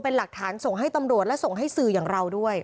เป็นหลักฐานส่งให้ตำรวจและส่งให้สื่ออย่างเราด้วย